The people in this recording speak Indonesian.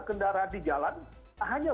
kendaraan di jalan hanya